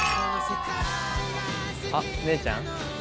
あっ姉ちゃん。